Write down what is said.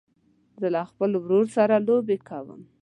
زه له خپل ورور سره لوبې کوم.